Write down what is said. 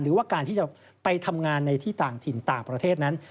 หรือว่าการที่จะไปทำงานในที่ต่างถิ่นต่างประเทศนั้น